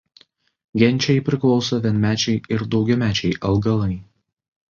Genčiai priklauso vienmečiai ir daugiamečiai augalai.